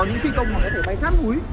có những phi công nó có thể bay sát núi